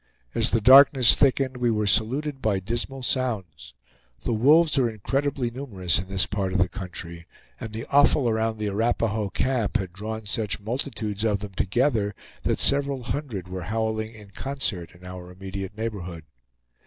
As the darkness thickened we were saluted by dismal sounds. The wolves are incredibly numerous in this part of the country, and the offal around the Arapahoe camp had drawn such multitudes of them together that several hundred were howling in concert in our immediate neighborhood.